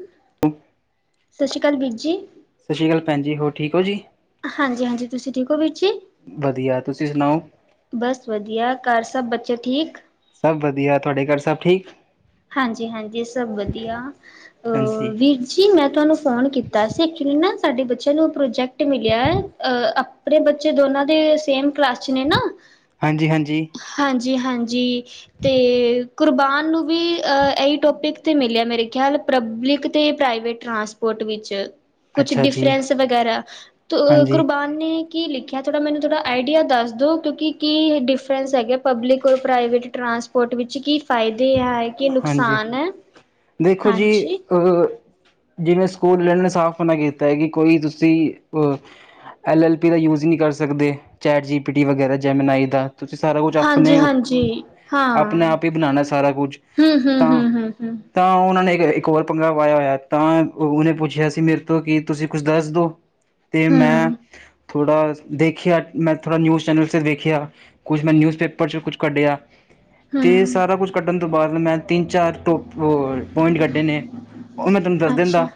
ਸਤਿ ਸ੍ਰੀ ਅਕਾਲ ਵੀਰ ਜੀ। ਸਤਿ ਸ਼੍ਰੀ ਅਕਾਲ ਭੈਣੀ ਜੀ, ਹੋਰ ਠੀਕ ਔ ਜੀ? ਹਾਂਜੀ-ਹਾਂਜੀ, ਤੁਸੀਂ ਠੀਕ ਹੋ ਵੀਰ ਜੀ? ਵਧੀਆ, ਤੁਸੀਂ ਸੁਣਾਓ? ਬਸ ਵਧੀਆ ਘਰ ਸਭ ਬੱਚੇ ਠੀਕ? ਸਭ ਵਧੀਆ, ਤੁਹਾਡੇ ਘਰ ਸਭ ਠੀਕ? ਹਾਂਜੀ ਹਾਂਜੀ, ਸਭ ਵਧੀਆ ਅ ਹਾਂਜੀ ਵੀ ਜੀ ਮੈਂ ਤੁਹਾਨੂੰ ਫੋਨ ਕੀਤਾ ਸੀ ਐਕਚੁਲੀ ਨਾ ਸਾਡੇ ਬੱਚਿਆਂ ਨੂੰ ਪ੍ਰੋਜੈਕਟ ਮਿਲਿਆ ਹੋਇਆ ਐ ਆਪਣੇ ਬੱਚੇ ਦੋਨਾਂ ਦੇ ਸੇਮ ਕਲਾਸ ਨੇ ਨਾ, ਹਾਂਜੀ ਹਾਂਜੀ ਹਾਂਜੀ ਹਾਂਜੀ ਤੇ ਕੁਰਬਾਨ ਨੂੰ ਵੀ ਅਹ ਇਹੀ ਟੋਪਿਕ ਮਿਲਿਆ ਮੇਰੇ ਖਿਆਲ ਪਬਲਿਕ ਤੇ ਪ੍ਰਾਈਵੇਟ ਟ੍ਰਾਂਸਪੋਰਟ ਵਿੱਚ। ਕੁਛ ਅੱਛਾ ਜੀ ਡਿਫਰੈਂਸ ਵਗੈਰਾ ਹਾਂਜੀ ਕੁਰਬਾਨ ਨੇ ਕੀ ਲਿਖਿਆ ਥੋੜ੍ਹਾ ਮੈਨੂੰ ਥੋੜਾ ਆਈਡੀਆ ਦੱਸ ਦਿਉ ਕਿਉਂਕਿ ਕੀ ਡਿਫਰੈਂਸ ਹੈਗੇ ਪਬਲਿਕ ਔਰ ਪ੍ਰਾਈਵੇਟ ਟਰਾਂਸ ਪੋਟ ਵਿੱਚ ਕੀ ਫਾਇਦੇ ਹਾਂਜੀ, ਦੇਖੋ ਜੀ ਹਾਂਜੀ, ਅਹ ਜਿਵੇਂ ਸਕੂਲ ਆਲੇ ਨੇ ਸਾਫ਼ ਮਨਾ ਕੀਤਾ ਐ ਕਿ ਕੋਈ ਤੁਸੀਂ ਅਹ ਐੱਲ ਐੱਲ ਪੀ ਦਾ ਯੂਜ ਨੀ ਕਰ ਸਕਦੇ, ਚੈਟ ਜੀ ਪੀ ਟੀ ਵਗੈਰਾ ਜੈਮਨ ਆਈ ਦਾ ਤੁਸੀਂ ਸਾਰਾ ਕੁਛ ਆਪਣੇ, ਹਾਂਜੀ-ਹਾਂਜੀ ਆਪਣੇ ਹਾਂ। ਆਪ ਈ ਬਣਾਣਾ ਸਾਰਾ ਕੁਛ, ਹੂੰ-ਹੂੰ, ਤਾਂ ਹੂੰ-ਹੂੰ, ਹੂੰ, ਹੂੰ, ਤਾਂ ਉਹਨਾਂ ਨੇ ਇੱਕ ਹੋਰ ਪੰਗਾ ਪਾਇਆ ਹੋਇਆ, ਤਾਂ ਉਹਨੇ ਪੁੱਛਿਆ ਸੀ ਮੇਰੇ ਤੋਂ ਕਿ ਤੁਸੀਂ ਕੁਛ ਦੱਸ ਦੋ ਤੇ ਮੈਂ, ਹੂੰ ਹੂੰ, ਥੋੜਾ ਦੇਖਿਆ ਮੈਂ ਥੋੜਾ ਨਿਊਜ ਚੈਨਲ ਤੇ ਦੇਖਿਆ ਕੁਛ ਮੈਂ ਨਿਊਜ਼ ਪੇਪਰ ਚ ਕੁਛ ਕੱਢਿਆ, ਤੇ ਸਾਰਾ ਹੂੰ ਕੁਛ ਕੱਢਣ ਤੋਂ ਬਾਦ ਮੈਂ ਤਿੰਨ ਚਾਰ ਪੁਆਇੰਟ ਕੱਢੇ ਨੇ, ਉਹ ਮੈਂ ਤੈਨੂੰ ਦੱਸ ਅੱਛਾ ਦਿੰਦਾ।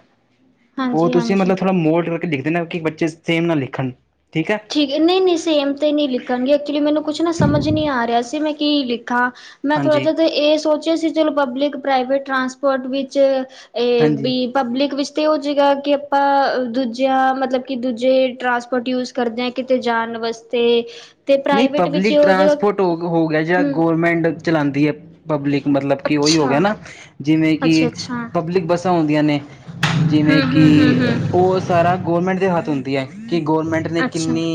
ਉਹ ਤੁਸੀਂ ਹਾਂਜੀ-ਹਾਂਜੀ। ਮਤਲਬ ਥੋੜਾ ਮੋਲਡ ਕਰਕੇ ਲਿਖਦੇ ਨਾ ਕਿ ਬੱਚੇ ਸੇਮ ਨਾ ਲਿਖਣ ਠੀਕ ਐ। ਠੀਕ ਏ ਨਹੀਂ-ਨਹੀਂ ਸੇਮ ਤੇ ਨਹੀਂ ਲਿਖਣਗੇ ਐਕਚੁਲੀ ਮੈਨੂੰ ਕੁਛ ਨਾ ਸਮਝ ਨੀ ਆ ਰਿਹਾ ਸੀ ਮੈਂ ਕੀ ਲਿਖਾਂ ਮੈਂ ਥੋੜ੍ਹਾ ਹਾਂਜੀ ਜਿਹਾ ਇਹ ਸੋਚਿਆ ਸੀ ਚਲੋ ਪਬਲਿਕ ਪ੍ਰਾਈਵੇਟ ਟਰਾਂਸਪੋਰਟ ਵਿੱਚ ਇਹ ਹਾਂਜੀ ਵੀ ਪਬਲਿਕ ਵਿੱਚ ਤੇ ਹੋਜੇਗਾ ਤੇ ਆਪਾਂ ਦੂਜਿਆਂ ਮਤਲਬ ਕਿ ਦੂਜੇ ਟਰਾਂਸਪੋਰਟ ਯੂਜ ਕਰਦੇ ਆ ਕਿਤੇ ਜਾਣ ਵਾਸਤੇ ਤੇ ਨਹੀਂ ਪ੍ਰਾਈਵੇਟ ਵਿੱਚ ਪਬਲਿਕ ਹੋ ਜਾਏਗਾ ਟਰਾਂਸਪੋਰਟ ਹੋ ਹੋ ਗਿਆ ਜਿਹੜਾ ਹਮ ਗੌਰਰਮੈਂਟ ਚਲਾਦੀ ਐ। ਪਬਲਿਕ ਮਤਲਬ ਕਿ ਔਈ ਹੋ ਅੱਛਾ ਗਿਆ ਨਾ ਜਿਵੇਂ ਅੱਛਾ ਕਿ, ਅੱਛਾ ਪਬਲਿਕ ਬੱਸਾਂ ਹੁੰਦੀਆਂ ਨੇ, ਜਿਵੇਂ ਹਮ ਕਿ ਹਮ ਹਮ ਹਮ ਉਸ ਸਾਰਾ ਗੌਰਮੈਂਟ ਦੇ ਹੱਥ ਹੁੰਦੀ ਐ ਕਿ ਗੌਰਮੈਂਟ ਨੇ ਅੱਛਾ ਕਿੰਨੀ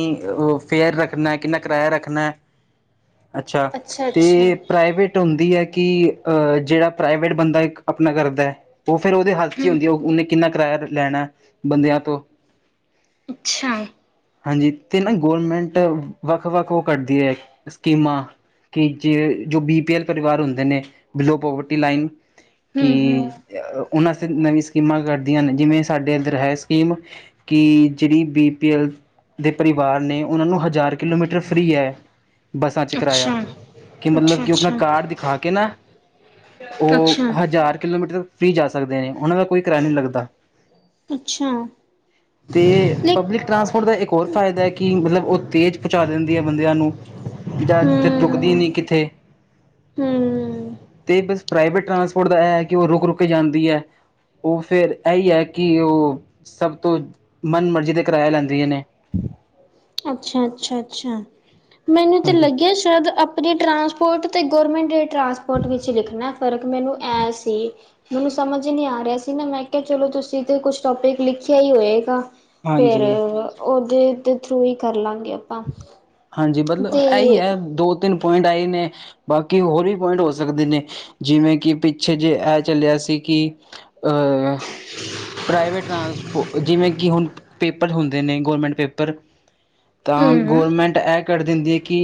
ਫੇਅਰ ਰੱਖਣਾ ਕਿੰਨਾ ਕਿਰਾਇਆ ਰੱਖਣਾ, ਅੱਛਾ ਤੇ ਪ੍ਰਾਈਵੇਟ ਹੁੰਦੀਂ ਐ ਕਿ ਅਹ ਜਿਹੜਾ ਪ੍ਰਾਈਵੇਟ ਬੰਦਾ ਇੱਕ ਆਪਣਾ ਕਰਦਾ ਉਹ ਫਿਰ ਉਹਦੇ ਹੱਥ ਚ ਈ ਹਮ ਹੁੰਦੀ ਐ ਉਹਨੇ ਕਿੰਨਾ ਕਿਰਾਇਆ ਲੈਣਾ ਬੰਦਿਆਂ ਤੋਂ ਅੱਛਾ ਹਾਂਜੀ ਤੇ ਨਾ ਗੋਰਮੈਂਟ ਵੱਖ ਵੱਖ ਉਹ ਕਰਦੀ ਐ ਸਕੀਮਾਂ ਕਿ ਜੇ, ਜੋ, ਬੀ, ਪੀ ਐਲ, ਪਰਿਵਾਰ ਹੁੰਦੇ ਨੇ ਬਿਲੋ ਪੋਵਰਟੀ ਲਾਈਨ ਕਿ ਹਮ ਹਮ ਤੇ ਉਹਨਾਂ 'ਵਾਸਤੇ ਨਵੀਂ ਸਕੀਮਾਂ ਕੱਢਦੀਆਂ ਨੇ, ਜਿਵੇਂ ਸਾਡੇ ਏਧਰ ਹੈ ਸਕੀਮ ਕਿ ਜੇਹੜੀ ਬੀ, ਪੀ ਐਲ ਦੇ ਪਰਿਵਾਰ ਨੇ, ਉਹਨਾਂ ਨੂੰ ਹਜ਼ਾਰ ਕਿਲੋਮੀਟਰ ਫ੍ਰੀ ਐ, ਬੱਸਾਂ 'ਚ ਕਿਰਾਇਆ ਅੱਛਾ ਕਿ ਮਤਲਬ ਅੱਛਾ ਕਿ ਆਪਣਾ ਅੱਛਾ ਕਾਰਡ ਦਿਖਾ ਕੇ ਨਾ, ਉਹ ਅੱਛਾ ਹਜ਼ਾਰ ਕਿਲੋਮੀਟਰ ਵੀ ਜਾ ਸਕਦੇ ਨੇ, ਉਹਨਾਂ ਨੂੰ ਕੋਈ ਕਿਰਾਇਆ ਨਈ ਲੱਗਦਾ ਅੱਛਾ ਤੇ ਲੇਕ ਪਬਲਿਕ ਟਰਾਂਸਪੋਰਟ ਹੋਣ ਦਾ ਇੱਕ ਹੋਰ ਫਾਇਦਾ ਕਿ, ਮਤਲਬ ਉਹ ਤੇਜ਼ ਪੁਚਾ ਦਿੰਦੀ ਏ ਬੰਦਿਆਂ ਨੂੰ ਜ਼ਿਆਦਾਤਰ, ਰੁਕਦੀ ਨੀ ਕਿੱਤੇ- ਹਮ ਤੇ ਬਸ ਪ੍ਰਾਈਵੇਟ ਟਰਾਂਸਪੋਰਟ ਦਾ ਏ ਆ ਕਿ ਉਹ ਰੁਕ ਰੁਕ ਕੇ ਜਾਂਦੀ ਆ, ਉਹ ਫੇਿਰ ਐ, ਈ ਐ, ਕਿ ਉਹ ਸਭ ਤੋਂ ਮਨ ਮਰਜ਼ੀ ਦੇ ਕਿਰਾਇਆ ਲੈਂਦੀਆਂ ਨੇ ਅੱਛਾ -ਅੱਛਾ- ਅੱਛਾ, ਮੈਨੂੰ ਤੇ ਹਾਂਜੀ ਲੱਗਿਆ ਸ਼ਾਇਦ--ਆ ਦੀ ਟਰਾਂਸਪੋਰਟ ਅਤੇ ਗੌਰਮੈਂਟ ਦੇ ਟਰਾਂਸਪੋਰਟ ਵਿੱਚ ਦਿਖਣਾ ਫ਼ਰਕ ਮੈਨੂੰ ਐ, ਸੀ। ਮੈਨੂੰ ਸਮਝ ਨਈ ਆ ਰਿਹਾ ਸੀ, ਨਾ ਮੈਂ ਕਿਹਾ ਚਲੋ ਤੁਸੀਂ ਤੇ ਕੁਛ ਟੋਪਿਕ ਲਿਖਿਆ ਈ ਹੋਏਗਾ ਫੇਰ ਹਾਂਜੀ ਓਹਦੇ ਥਰੂ ਹੀ ਕਰ ਲਾਂਗੇ ਆ ਹਾਂਜੀ ਮਤਲਬ ਏ, ਈ, ਆ, ਦੋ ਤਿੰਨ ਪੁਆਇੰਟ ਏਹੀ ਨੇ ਬਾਕੀ ਹੋਰ ਵੀ ਪੁਆਇੰਟ ਹੋ ਸਕਦੇ ਨੇ, ਜਿਵੇਂ ਕਿ ਪਿੱਛੇ ਜੇ ਏ ਚੱਲੇਆ ਸੀ ਕਿ ਅਹ--ਪ੍ਰਾਈਵੇਟ ਟਰਾਂਸਪੋ ਜਿਵੇਂ ਕਿ ਹੁਣ ਪੇਪਰ ਹੁੰਦੇ ਨੇ, ਗੌਰਮੈਂਟ ਪੇਪਰ ਤਾਂ ਹੂੰ ਗੌਰਰਮੈਂਟ ਏ ਕੱਢ ਦਿੰਦੀ ਕਿ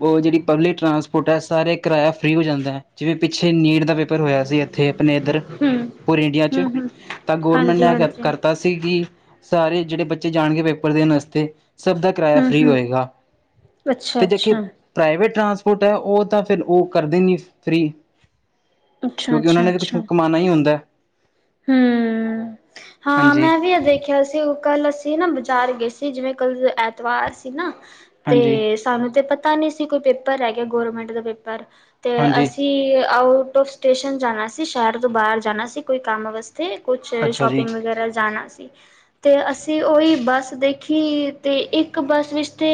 ਉਹ ਜੇਹੜੀ ਪਬਲਿਕ ਟਰਾਂਸਪੋਰਟ ਏ, ਸਾਰੇ ਕਿਰਾਇਆ ਫਰੀ ਹੋ ਜਾਂਦਾ ਆ, ਜਿਵੇਂ ਪਿੱਛੇ ਨੀਟ ਦਾ ਪੇਪਰ ਹੋਇਆ ਸੀ, ਤੇ ਆਪਣੇ ਏਧਰ ਹੂੰ ਪੂਰੇ ਇੰਡੀਆ ਚ ਹੂੰ ਹੂੰ ਤਾਂ ਗੌਰਮੈਂਟ ਹਾਂਜੀ ਏ ਹਾਂਜੀ ਹੂੰ ਕਰ-ਕਰਤਾ ਸੀਂ, ਕਿ ਸਾਰੇ ਜੇਹੜੇ ਬੱਚੇ ਜਾਣਗੇ, ਪੇਪਰ ਦੇਣ ਵਾਸਤੇ ਸਭ ਦਾ ਕਰਾਇਆ ਫ੍ਰਰੀ ਹੋਏਗਾ ਅੱਛਾ ਤੇ ਜ ਅੱਛਾ ਪ੍ਰਾਈਵੇਟ ਟਰਾਂਸਪੋਰਟ ਏ, ਉਹ ਤਾਂ ਫੇਰ ਉਹ ਕਰਦੇ ਨੀ ਫ੍ਰਰੀ ਅੱਛਾ ਕਿਓਕਿ ਓਹਨਾਂ ਅੱਛਾ ਨੇ ਤਾਂ ਕੁਛ ਕਮਾਣਾ ਈ ਹੁੰਦਾ ਹਮ--' ਹਾਂ, ਹਾਂਜੀ ਮੈਂ ਵੀ ਏਹਦੇ ਈ, ਦੇਖਿਆ ਸੀ ਓਹ ਕੱਲ ਅਸੀਂ ਨਾ ਬਾਜ਼ਾਰ ਗਏ ਸੀ, ਜਿਵੇਂ ਕੱਲ ਐਤਵਾਰ ਸੀ ਨਾ ਹਾਂਜੀ ਤੇ ਸਾਨੂੰ ਤੇ ਪਤਾ ਨਈ ਸੀ ਕੋਈ ਪੇਪਰ ਹੈਗੇ, ਗੌਰਮੈਂਟ ਦਾ ਪੇਪਰ ਤੇ ਹਾਂਜੀ ਅਸੀਂ ਆਊਟ ਔਫ ਸਟੇਸ਼ਨ ਜਾਣਾ ਸੀ ਸ਼ਹਿਰ ਤੋਂ ਬਾਹਰ ਜਾਣਾ ਸੀ ਕੋਈ ਕੰਮ ਵਾਸਤੇ ਕੁਛ ਅੱਛਾ ਸ਼ੋਪ ਜੀ ਕਰਨ ਜਾਣਾ ਸੀ। ਤੇ ਅਸੀਂ ਓਹੀ ਬੱਸ ਦੇਖੀ ਤੇ ਇੱਕ ਬੱਸ ਵਿੱਚ ਤੇ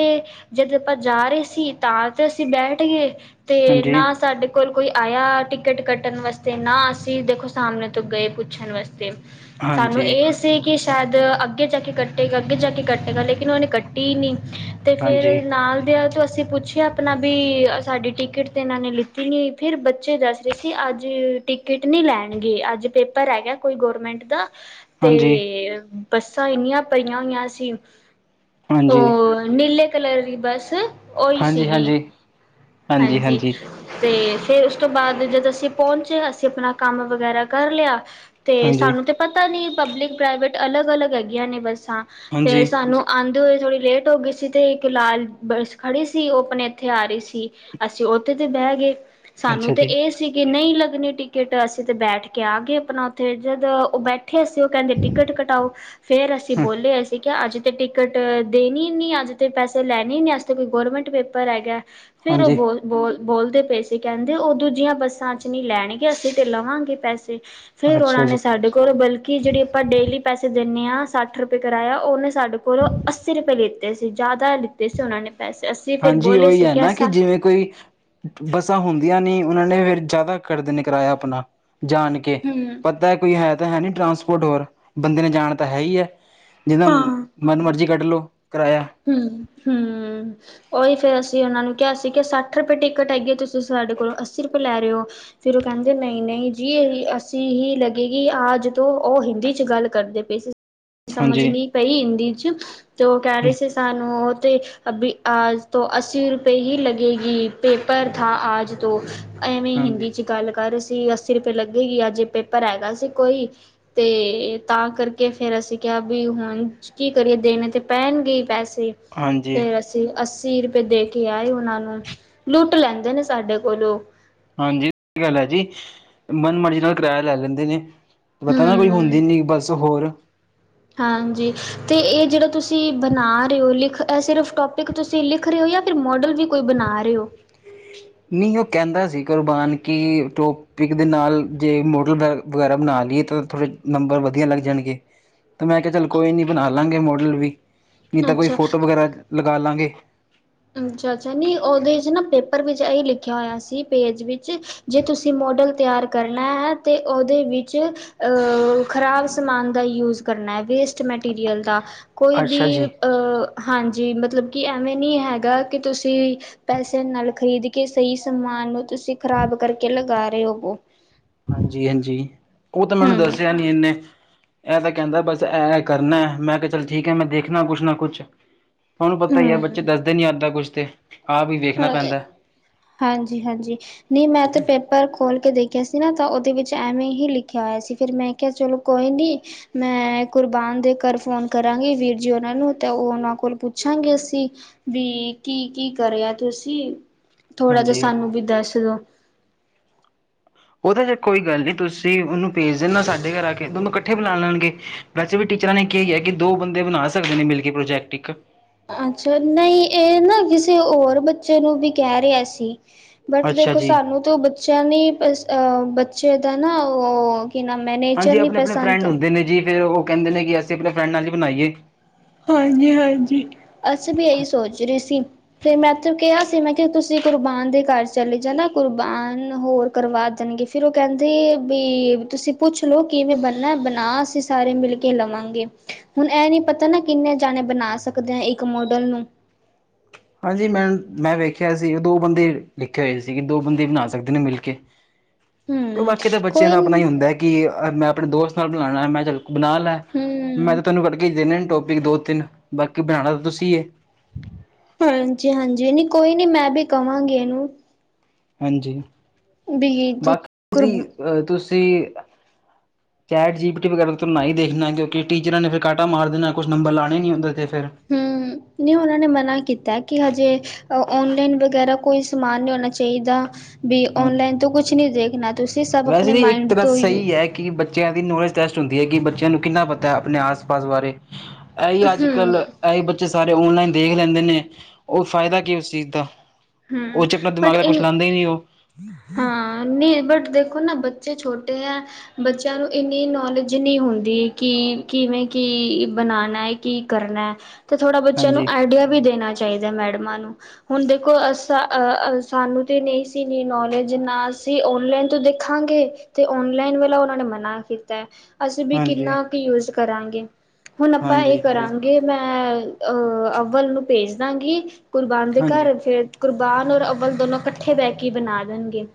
ਜਦ ਆਪਾਂ ਜਾ ਰਹੇ ਸੀ, ਤਾਂ ਤੇ ਅਸੀਂ ਬੈਠ ਗਏ ਤੇ ਹਾਂਜੀ ਨਾ ਸਾਡੇ ਕੋਲ -ਕੋਈ ਆਇਆ ਟਿਕਟ ਕੱਟਣ ਵਾਸਤੇ, ਨਾ ਅਸੀਂ ਦੇਖੋ ਸਾਹਮਣੇ ਤੋਂ ਗਏ ਪੁੱਛਣ ਵਾਸਤੇ। ਸਾਨੂੰ ਹਾਂਜੀ ਏ ਸ ੇਸੀ ਕਿ ਸ਼ਾਇਦ ਅੱਗੇ ਜਾ ਕੇ ਕੱਟੇਗਾ- ਅੱਗੇ ਜਾ ਕੇ ਕੱਟਗਾ ਲੇਕਿਨ ਓਹਨੇ ਕੱਟੀ ਈ ਨਈ। ਤੇ ਹਾਂਜੀ ਫਿਰ ਨਾਲ ਦੇਆ ਤੋਂ ਅਸੀਂ ਪੁੱਛ ਆ -ਆਪਣਾ ਵੀ ਸਾਡੀ ਟਿਕਟ ਤਾਂ ਏਨਾਂ ਨੇ ਲਿੱਤੀ ਨਈ, ਫਿਰ ਬੱਚੇ ਦੱਸ ਰਹੇ ਸੀ ਅੱਜ ਟਿਕਟ ਨਈ ਲੈਣਗੇ, ਅੱਜ ਪੇਪਰ ਹੈਗਾ ਕੋਈ ਗੌਰਮੈਂਟ ਦਾ ਹਾਂਜੀ ਤੇ ਬੱਸਾਂ ਏਨੀਆਂ ਭਰੀਆਂ ਹੋਈਆਂ ਸੀ, ਹਾਂਜੀ ਓਹ ਨੀਲੇ, ਕਲਰ ਦੀ ਬਸ ਓਹੀ ਹਾਂਜੀ ਸੀਗੀ, ਹਾਂਜੀ ਹਾਂਜੀ। ਤੇ ਫੇਰ ਉਸ ਤੋਂ ਬਾਅਦ ਜਦ ਅਸੀਂ ਪੌਚੇ, ਅਸੀਂ ਆਪਣਾ ਕੰਮ ਵਗੈਰਾ ਕਰ ਲੇਆ। ਤੇ ਹਾਂਜੀ ਸਾਨੂੰ ਤੇ ਪਤਾ ਨੀ ਪਬਲਿਕ ਪ੍ਰਾਈਵੇਟ ਅਲੱਗ -ਅਲੱਗ ਹੈਗੀਆਂ ਨੇ ਬੱਸਾਂ ਫੇਰ ਹਾਂਜੀ ਸਾਨੂੰ ਆਂਦੇ ਹੋਏ ਥੋੜੀ ਲੇਟ ਹੋ ਗਈ ਸੀ, ਤੇ ਇੱਕ ਲਾਲ ਬੱਸ ਖੜੀ ਸੀ, ਓਹ ਆਪਣੇ ਇੱਥੇ ਆ ਰਈ ਸੀ। ਅਸੀਂ ਉੱਦੇ ਤੇ ਬਹਿ ਗਏ ਸਾਨੂੰ ਅੱਛਾ ਤੇ ਜੀ ਇਹ ਸੀ ਕਿ ਨਹੀਂ ਲੱਗਣੀ ਟਿਕਟ, ਅਸੀਂ ਤੇ ਬੈਠ ਕੇ ਆ ਗਏ ਆਪਣਾ ਉਤੇ ਜਦ ਉਹ ਬੈਠ ਉੱਥੇ ਅਸੀਂ ਉਹ ਕਹਿੰਦੇ 'ਟਿਕਟ ਕਟਾਓ'ਫੇਰ ਅਸੀਂ ਹ ਬੋਲੇ ਅਸੀ ਕਿਹਾ ਅੱਜ! ਟਿਕਟ ਦੇਣੀ ਨੀ, ਅੱਜ ਤੇ ਪੈਸੇ ਲੈਣੇ ਈ ਨੀ ਅਜ ਤਾਂ ਕੋਈ ਗੌਰਮੈਂਟ ਪੇਪਰ ਹੈਗਾ। ਫੇਰ ਉਹ ਹਾਂਜੀ ਬੋਲ ਬੋਲ ਬੋਲਦੇ ਪੈਏ ਸੀ ਕਹਿੰਦੇ ਉਹ ਦੂਜੀਆਂ ਬੱਸਾਂ ਚ ਨਹੀਂ ਲੈਣਗੇ ਅਸੀਂ ਤੇ ਲਵਾਂਗੇ ਪੈਸੇ। ਫੇਰ ਉਹਨਾਂ ਅੱਛਾ ਨੇ ਜੀ ਸਾਡੇ ਕੋਲ ਬਲਕਿ ਜਿਹੜੀ ਆਪਾਂ ਡੇਲੀ ਪੈਸੇ ਦਿੰਨੇ ਹਾਂ ਸੱਠ ਰੁਪਏ ਕਰਾਇਆ ਉਹਨੇ ਸਾਡੇ ਕੋਲ ਅੱਸੀ ਰੁਪਏ ਲਿੱਤੇ ਸੀ ਜ਼ਿਆਦਾ ਲਿਤੇ ਸੀ ਉਹਨਾਂ ਨੇ ਪੈਸੇ ਅਸੀਂ ਫਿਰ ਹਾਂਜੀ ਬੋਲੇ ਉਹੀ ਸੀ ਹੈ ਕਿ ਨਾ ਕਿ ਐਸਾ ਜਿਵੇਂ ਕੋਈ ਬੱਸਾਂ ਹੁੰਦੀਆਂ ਨੀ ਉਹਨਾਂ ਨੇ ਫੇਰ ਜ਼ਿਆਦਾ ਕਰ ਦੇਨੇ ਕਿਰਾਇਆ ਆਪਣਾ ਜਾਣ ਕੇ ਹਮ ਪ ਕੋਈ ਹੈ ਤਾਂ ਹੈ ਨੀ ਟਰਾਂਸਪੋਰਟ ਹੋਰ ਬੰਦੇ ਨੇ ਜਾਣ ਤਾਂ ਹੈ ਹੀ ਹੈ ਜਿਨਾ ਹਾਂ ਮਨ ਮਰਜੀ ਕੱਢ ਲਓ ਕਿਰਾਇਆ। ਹੂੰ- ਹੂੰ, ਓਹੀ ਫੇਰ ਅ ਸੀ ਉਹਨਾਂ ਨੂੰ ਕਿਹਾ ਸੀ ਕਿ ਸੱਠ ਰੁਪਏ ਟਿਕਟ ਹੈਗੀ ਤੁਸੀਂ ਸਾਡੇ ਕੋਲੋਂ ਅੱਸੀ ਰੁਪਏ ਲੈ ਰਹੇ ਓ। ਫਿਰ ਉਹ ਕਹਿੰਦੇ ਨਹੀਂ ਨਹੀਂ ਜੀ ਅੱਸੀ ਹੀ ਲੱਗੇ ਕਿ ਆਜ ਤੋਂ ਉਹ ਹਿੰਦੀ ਚ ਗੱਲ ਕਰਦੇ ਪਏ ਸੀ। ਸਮਝ ਹਾਂਜੀ ਨਹੀਂ ਪਈ ਹਿੰਦੀ ਚ ਤੋ ਉਹ ਕਹਿ ਰਹੇ ਸੀ ਸਾਨੂੰ ਹੋ ਤੇ ਅਭੀ ਆਜ ਤੋਂ ਅੱਸੀ ਰੁਪਏ ਹੀ ਲੱਗੇਗੀ। ਪੇਪਰ ਥਾ ਆਜ ਤੋਂ, ਐਮੇ ਏ ਹਾਂਜੀ ਹਿੰਦੀ 'ਚ ਗੱਲ ਕਰ ਰਏ ਸੀ ਅੱਸੀ ਰੁਪਏ ਲੱਗੇਗੀ ਅੱਜ ਪੇਪਰ ਹੈਗਾ ਸੀ ਕੋਈ। ਤੇ ਤਾਂ ਕਰਕੇ ਫੇਰ ਅਸੀਂ ਕਿਹਾ ਵੀ ਹੁਣ ਕੀ ਕਰੀਏ ਦੇਣੇ ਤੇ ਪੈਣਗੇ ਈ ਪੈਸੇ। ਹਾਂਜੀ ਫੇਰ ਅ ਸੀ ਅੱਸੀ ਰੁਪਏ ਦੇ ਕੇ ਆਏ ਉਹਨਾਂ ਨੂੰ ਲੁੱਟ ਲੈਂਦੇ ਨੇ ਸਾਡੇ ਕੋਲੋਂ ਹਾਂਜੀ ਸਹੀ ਗੱਲ ਹੈ ਜੀ ਮਨ ਮਰਜੀ ਨਾਲ ਕਿਰਾਇਆ ਲੈ ਲੈਂਦੇ ਨੇ। ਪਤਾ ਨਾ ਕੋਈ ਹੁੰਦੀ ਹੂੰ ਨੀ ਬਸ ਹੋਰ! ਹਾਂਜੀ ਅਤੇ ਇਹ ਜਿਹੜਾ ਤੁਸੀਂ ਬਣਾ ਰਹੇ ਹੋ ਲਿਖ ਇਹ ਸਿਰਫ ਟੋਪਿਕ ਤੁਸੀਂ ਲਿਖ ਰਹੇ ਹੋ ਜਾਂ ਫਿਰ ਮੋਡਲ ਵੀ ਕੋਈ ਬਣਾ ਰਹੇ ਓ। ਨਹੀਂ ਉਹ ਕਹਿੰਦਾ ਸੀ ਕੁਰਬਾਨ ਕਿ ਟੋਪਿਕ ਦੇ ਨਾਲ ਜੇ ਮੋਡਲ ਵ ਵਗੈਰਾ ਬਣਾ ਲਈਏ ਤਾਂ ਥੋੜ੍ਹੇ ਨੰਬਰ ਵਧੀਆ ਲੱਗ ਜਾਣਗੇ। ਤਾ ਮੈਂ ਕਿਹਾ ਚੱਲ ਕੋਈ ਨੀ ਬਣਾ ਲਾਂਗੇ ਮੋਡਲ ਵੀ ਨਹੀਂ ਤਾਂ ਕੋਈ ਅੱਛਾ ਫੋਟੋ ਵਗੈਰਾ ਲਗਾ ਲਾਂਗੇ। ਅੱਛਾ-ਅੱਛਾ, ਨਹੀਂ ਉਹਦੇ 'ਚ ਨਾ ਪੇਪਰ ਵਿੱਚ ਇਹੀ ਲਿਖਿਆ ਹੋਇਆ ਸੀ, ਪੇਜ ਵਿੱਚ ਜੇ ਤੁਸੀਂ ਮੋਡਲ ਤਿਆਰ ਕਰਨਾ ਹੈ ਤੇ ਉਹਦੇ ਵਿੱਚ ਵਿੱਚ ਅ ਖ਼ਰਾਬ ਸਮਾਨ ਦਾ ਜੂਜ ਕਰਨਾ ਹੈ ਵੇਸ ਟ ਮਟੀਰੀਅਲ ਦਾ ਕੋਈ ਵੀ ਅੱਛਾ ਜੀ ਅ ਹਾਂਜੀ ਮਤਲਬ ਕਿ ਐਵੇਂ ਨਹੀਂ ਹੈ ਗਾ ਕਿ ਤੁਸੀਂ ਪੈਸੇ ਨਾਲ ਖ਼ਰੀਦ ਕੇ ਸਹੀ ਸਮਾਨ ਨੂੰ ਤੁਸੀਂ ਖ਼ਰਾਬ ਕਰਕੇ ਲਗਾ ਰਹੇ ਹੋਬੋ ਹਾਂਜੀ-ਹਾਂਜੀ, ਉਹ ਤੇ ਮੈਡਮ ਹਮ ਦੱਸਿਆ ਨੀ ਇਨੇ ਇਹ ਤਾਂ ਕਹਿੰਦਾ ਬਸ ਇਹ ਇਹ, ਕਰਨਾ ਮੈਂ ਕਿਹਾ ਚੱਲ ਠੀਕ ਹੈ ਮੈਂ ਦੇਖਣਾ ਕੁਛ ਨਾ ਕੁਛ ਥੋਨੂੰ ਪਤਾ ਹੀ ਹੈ ਹਮ ਬੱਚੇ ਦੱਸਦੇ ਨੀ ਆਦਾ ਕੁਛ ਤੇ ਆਪ ਹੀ ਵੇਖਣਾ ਪੈਂਦਾ ਹਾਂਜੀ, ਹਾਂਜੀ। ਨਹੀਂ, ਮੈਂ ਤੇ ਪੇਪਰ ਖੋਲ ਕੇ ਦੇਖਿਆ ਸੀ ਨਾ, ਤਾਂ ਉਹਦੇ ਵਿੱਚ ਐਮਏ ਹੀ ਲਿਖਿਆ ਹੋਇਆ ਸੀ ਫਿਰ ਮੈਂ ਕਿਹਾ, ਚਲੋ ਕੋਈ ਨੀ ਮੈਂ ਕੁਰਬਾਨ ਦੇ ਘਰ ਫੋਨ ਕਰਾਂਗੀ ਵੀਰ ਜੀ ਹੋਰਾ ਨੂੰ ਤੇ ਉਹ ਉਹਨਾਂ ਕੋਲ ਪੁੱਛਾਂਗੇ ਅਸੀਂ ਵੀ ਕੀ-ਕੀ ਕਰਿਆ ਤੁਸੀਂ ਥੋੜਾ ਜਿਹਾ ਹਾਂਜੀ ਸਾਨੂੰ ਵੀ ਦੱਸਦੋ। ਉਹਦੇ ਚ ਕੋਈ ਗੱਲ ਨੀ, ਤੁਸੀਂ ਉਹਨੂੰ ਭੇਜ ਦਿੰਨਾ ਸਾਡੇ ਘਰ ਆ ਕੇ ਦੋਨੂੰ ਇਕੱਠੇ ਬੁਲਾ ਲੈਣਗੇ ਵੈਸੇ ਵੀ ਟੀਚਰਾਂ ਨੇ ਕਿਆ ਈ ਆ ਕਿ ਦੋ ਬੰਦੇ ਬਣਾ ਸਕਦੇ ਨੇ ਮਿਲ ਕੇ ਪ੍ਰੋਜੈਕਟ ਇੱਕ। ਅੱਛਾ ਨਹੀਂ ਏ ਨਾ ਕਿਸੇ ਹੋਰ ਬੱਚੇ ਨੂੰ ਵੀ ਕਹਿ ਰਿਹਾ ਸੀ ਬਟ ਅੱਛਾ ਦੇਖੋ ਜੀ ਸਾਨੂੰ ਤੋਂ ਬੱਚਿਆਂ ਨੇ ਅ ਬੱਚੇ ਦਾ ਨਾ ਉਹ ਕੀ ਨਾ ਮੈਨੇ ਹਾਂਜੀ ਆਪਣੇ ਆਪਣੇ ਫਰੈਂਡ ਹੁੰਦੇ ਨੇ ਜੀ ਫੇਰ ਉਹ ਕਹਿੰਦੇ ਨੇ ਕਿ ਅਸੀਂ ਆਪਣੇ ਫਰੈਂਡ ਨਾਲ ਹੀ ਬਣਾਈਏ ਹਾਂਜੀ- ਹਾਂਜੀ ਅਸੀਂ ਵੀ ਇਹੀ ਸੋਚ ਰਹੇ ਸੀ ਫਿਰ ਮੈਂਥ ਕਿਹਾ ਸੀ ਮੈਂ ਕਿ ਤੁਸੀਂ ਕੁਰਬਾਨ ਦੇ ਘਰ ਚਲੇ ਜਾਣਾ ਕੁਰਬਾਨ ਹੋਰ ਕਰਵਾ ਦੇਣਗੇ ਫਿਰ ਉਹ ਕਹਿੰਦੇ ਵੀ ਤੁਸੀਂ ਪੁੱਛ ਲੋ ਕਿਵੇਂ ਬਣਨਾ ਬਣਾ ਅਸੀਂ ਸਾਰੇ ਮਿਲ ਕੇ ਲਵਾਂਗੇ ਹੁਣ ਇਹ ਨੀ ਪਤਾ ਨਾ ਕਿੰਨੇ ਜਾਣੇ ਬਣਾ ਸਕਦੇ ਆ ਇੱਕ ਮੋਡਲ ਨੂੰ ਹਾਂਜੀ ਮੈਮ ਮੈਂ ਵੇਖਿਆ ਸੀ ਉਹ ਦੋ ਬੰਦੇ ਲਿਖੇ ਹੋਏ ਸੀਗੇ ਦੋ ਬੰਦੇ ਬਣਾ ਸਕਦੇ ਨੇ ਮਿਲ ਕੇ ਹਮ ਬਾਕੀ ਤਾਂ ਬੱਚਿਆਂ ਦਾ ਆਪਣਾ ਹੀ ਹੁੰਦਾ ਹੈ ਕਿ ਮੈਂ ਆਪਣੇ ਦੋਸਤ ਨਾਲ ਬਣਾਉਣਾ ਮੈਂ ਕਿਆ ਚੱਲ ਬਣਾ ਲੈ ਮੈਂ ਹੂੰ ਤਾਂ ਤੁਹਾਨੂੰ ਕੱਢਕੇ ਹੀ ਦੇਣੇ ਟੋਪਿਕ ਦੋ ਤਿੰਨ ਬਾਕੀ ਬਣਾਉਣਾ ਤਾਂ ਤੁਸੀਂ ਹੈ ਹਾਂਜੀ- ਹਾਂਜੀ ਨਹੀਂ ਕੋਈ ਨੀ ਮੈਂ ਵੀ ਕਵਾਂਗੀ ਇਹਨੂੰ ਹਾਂਜੀ, ਵੀ ਬਾਕੀ ਦੀ ਕੁਰ ਤੁਸੀਂ [inaudible] ਚੈਟ ਜੀ ਪੀਟੀ ਵਗੈਰਾ ਵੀ ਤੁਹੂੰ ਨਹੀਂ ਦੇਖਣਾ ਕਿਉਂਕਿ ਟੀਚਰਾਂ ਫਿਰ ਕਾਂਟਾ ਮਾਰਨ ਦੇਣਾ ਕੁਛ ਨਬਰ ਲਾਉਣੇ ਨਹੀਂ ਹੁੰਦੇ ਓਹਦੇ ਤੇ ਫਿਰ ਹੂੰਮ ਨਹੀਂ ਉਹਨਾਂ ਨੇ ਮਨਾ ਕੀਤਾ ਕਿ ਹਜੇ ਔਨਲਾਈਨ ਵਗੈਰਾ ਕੋਈ ਸਮਾਨ ਨਹੀਂ ਹੋਣਾ ਚਾਹੀਦਾ ਵੀ ਹਾਂਜੀ, ਔਨਲਾਈਨ ਤੋਂ ਕੁਛ ਨਹੀਂ ਦੇਖਣਾ ਤੁਸੀਂ ਸਭ ਵੈਸੇ ਆਪਣੇ ਵੀ ਇੱਕ ਮਾਇੰਡ ਤਰ੍ਹਾਂ ਤੋਂ ਯੂ ਸਹੀ ਹੈ ਕਿ ਬੱਚਿਆਂ ਦੀ ਨੌਲੇਜ ਟੈਸਟ ਹੁੰਦੀ ਏ ਕਿ ਬੱਚਿਆਂ ਨੂੰ ਕਿੰਨਾ ਪਤਾ ਆਪਣੇ ਆਸ ਪਾਸ ਬਾਰੇ ਇਹੀਓ ਅੱਜ ਹੂੰ, ਕੱਲ੍ਹ ਐਂਈ ਬੱਚੇ ਸਾਰੇ ਔਨਲਾਈਨ ਦੇਖ ਲੈਂਦੇ ਨੇ ਉਹ ਫਾਇਦਾ ਕੀ ਉਸ ਚੀਜ਼ ਦਾ ਹੂੰ ਉਹ 'ਚ ਆਪਣਾ ਦਿਮਾਗ ਬਟ ਦਾ ਕੁਛ ਇਨ ਲਾਉਂਦੇ ਹੀ ਨੀ ਉਹ ਹਾਂ ਨਹੀਂ ਬਟ ਦੇਖੋ ਨਾ ਬੱਚੇ ਛੋਟੇ ਹੈ ਬੱਚਿਆਂ ਨੂੰ ਇੰਨੀ ਨੌਲੇਜ ਨਹੀਂ ਹੁੰਦੀ ਕਿ ਕਿਵੇਂ ਕੀ ਬਣਾਉਣਾ ਏ ਕੀ ਕਰਨਾ ਤੇ ਥੋੜਾ ਬੱਚਿਆਂ ਨੂੰ ਹਾਂਜੀ ਆਈਡੀਆ ਵੀ ਦੇਣਾ ਚਾਹੀਦਾ ਮੈਡਮਾਂ ਨੂੰ ਹੁਣ ਦੇਖੋ ਅ ਸਾ ਸਾਨੂੰ ਤੇ ਨਹੀਂ ਸੀ ਨੌਲੇਜ ਤੇ ਜਿੰਨਾ ਅਸੀਂ ਓਨਲਾਈਨ ਤੋਂ ਦੇਖਾਂਗੇ ਤੇ ਓਨਲਾਈਨ ਵਾਲਾ ਉਹਨਾਂ ਨੇ ਮਨਾ ਕੀਤਾ ਅਸੀਂ ਵੀ ਹਾਂਜੀ ਕਿੰਨਾ ਕ ਯੂਜ ਕਰਾਂਗੇ ਹੁਣ ਆਪਾਂ ਇਹ ਹਾਂਜੀ ਹਾਂਜੀ ਕਰਾਂਗੇ ਮੈਂ ਅਹ ਅਵਲ ਨੂੰ ਭੇਜ ਦਾਂਗੀ ਕੁਰਬਾਨ ਦੇ ਹਾਂਜੀ ਘਰ ਫੇਰ ਕੁਰਬਾਨ ਔਰ ਅਵਲ ਦੋਨੋ ਇਕੱਠੇ ਬਹਿ ਕੇ ਬਣਾ ਦੇਣਗੇ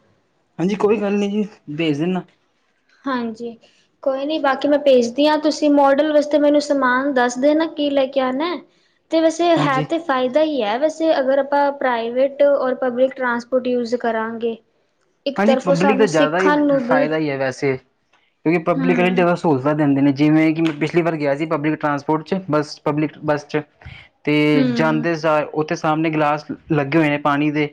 ਹਾਂਜੀ ਕੋਈ ਗੱਲ ਨਹੀਂ ਜੀ ਵੇਜ ਦੇਣਾ ਹਾਂਜੀ ਕੋਈ ਨਹੀਂ ਬਾਕੀ ਮੈਂ ਭੇਜਦੀ ਹਾਂ ਤੁਸੀਂ ਮੋਡਲ ਵਾਸਤੇ ਮੈਨੂੰ ਸਮਾਨ ਦੱਸ ਦੇਨਾ ਕੀ ਲੈ ਕੇ ਆਣਾ ਤੇ ਵੈਸੇ ਹੈ ਹਾਂਜੀ ਤੇ ਫਾਇਦਾ ਈ ਹੈ ਵੈਸੇ ਅਗਰ ਆਪਾਂ ਪ੍ਰਾਈਵੇਟ ਔਰ ਪਬਲਿਕ ਟਰਾਂਸਪੋਰਟ ਯੂਜ ਕਰਾਂਗੇ [inaudible] ਭਾਜੀ ਪਬਲਿਕ ਦਾ ਸਾਨੂੰ ਜ਼ਿਆਦਾ ਹੀ ਸਿੱਖਣ ਨੂੰ ਵੀ ਫਾਇਦਾ ਹੀ ਹੈ ਵੈਸੇ ਕਿਉਂਕਿ ਪਬਲਿਕ ਨ ਹੂੰ। ਜਾਦਾ ਸਹੂਲਤਾਂ ਦਿੰਦੇ ਨੇ ਜਿਵੇਂ ਕਿ, ਪਿਛਲੀ ਵਾਰ ਗਿਆ ਸੀ ਪਬਲਿਕ ਟਰਾਂਸਪੋਰਟ 'ਚ, ਬੱਸਪਬਲਿਕ ਬੱਸ 'ਚ ਤੇ ਹੂੰ, ਹੂੰ, ਜਾਂਦੇ ਸਾਰ, ਉਥੇ ਸਾਹਮਣੇ ਗਲਾਸ ਲੱਗੇ ਹੋਏ ਨੇ ਪਾਣੀ ਦੇ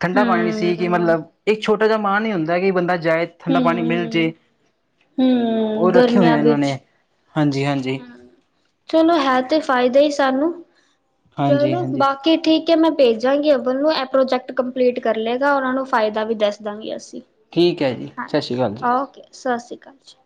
ਠੰਡਾ ਪਾਣੀ ਸੀ ਕਿ, ਹੂੰ। ਮਤਲਬ ਇੱਕ ਛੋਟਾ ਜਿਹਾ ਮਾਣ ਹੀ ਹੁੰਦਾ ਕਿ, ਬੰਦਾ ਜਾਏ ਠੰਡਾ ਪਾਣੀ ਮਿਲ ਜੇ, ਹੂੰ, ਉਹ ਰੱਖੇ ਹੋਏ ਗਰਮੀਆਂ ਇਹਨਾਂ ਵਿੱਚ ਨੇ, ਹਾਂਜੀ-ਹਾਂਜੀ। ਚਲੋ, ਹੈ ਤੇ ਫਾਇਦਾ ਸਾਨੂੰ, ਚਲੋ ਹਾਂਜੀ ਨਾ ਹਾਂਜੀ ਬਾਕੀ ਠੀਕ ਕਿ ਮੈਂ ਭੇਜਾਂਗੀ ਅਵਨ ਨੂੰ, ਐ ਪ੍ਰੋਜੈਕਟ ਕੰਪਲੀਟ ਕਰ ਲਏਗਾ, ਉਹਨਾਂ ਨੂੰ ਫਾਇਦਾ ਵੀ ਦੱਸ ਦਾਂਗੀ ਅਸੀਂ? ਠੀਕ ਹੈ ਜੀ ਸਤਿ ਸ਼੍ਰੀ ਹਾਂਜੀ, ਅਕਾਲ ਜੀ ਓਕੇ ਸਤਿ ਸ੍ਰੀ ਅਕਾਲ ਜੀ